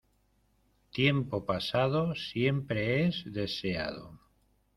Tiempo pasado siempre es deseado.